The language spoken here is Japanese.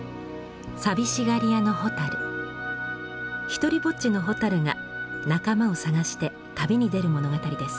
ひとりぼっちの蛍が仲間を探して旅に出る物語です。